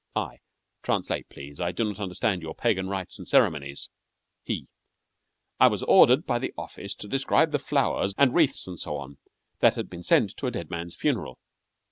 I Translate, please; I do not understand your pagan rites and ceremonies. HE I was ordered by the office to describe the flowers, and wreaths, and so on, that had been sent to a dead man's funeral.